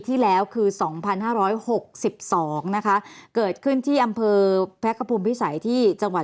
ที่แล้วคือ๒๕๖๒นะคะเกิดขึ้นที่อำเภอพระคภูมิพิสัยที่จังหวัด